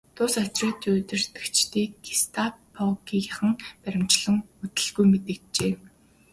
Тус отрядын удирдагчдыг гестапогийнхан баривчилсан нь удалгүй мэдэгджээ.